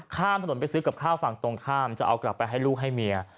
ข้ามถนนไปซื้อกับข้าวฝั่งตรงข้ามจะเอากลับไปให้ลูกให้เมีย